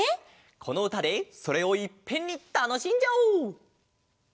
このうたでそれをいっぺんにたのしんじゃおう！